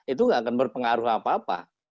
itu gak akan berpengaruh apa apa